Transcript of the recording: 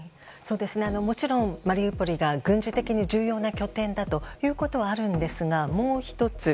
もちろんマリウポリが軍事的に重要な拠点だということはあるんですが、もう１つ。